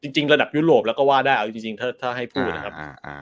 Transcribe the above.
จริงระดับยุโรปเราก็ว่าได้เอาจริงถ้าให้พูดนะครับ